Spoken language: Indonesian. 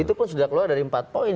itu pun sudah keluar dari empat poin